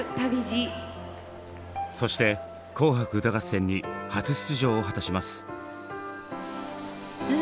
そして「紅白歌合戦」に初出場を果たします。